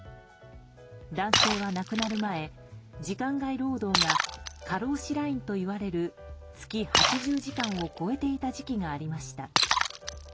男性は亡くなる前、時間外労働が過労死ラインといわれる月８０時間を超えていた時期がありました。